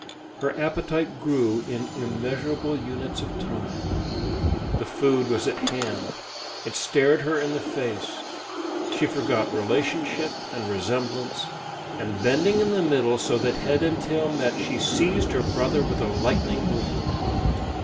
Her appetite grew in immeasurable units of time. The food was at hand, it stared her in the face; she forgot relationship and resemblance, and bending in the middle so that head and tail met, she seized her brother with a lightning movement.